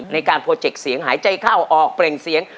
ในการโปรเจกต์เสียงหายใจเข้าออกเปล่งเสียง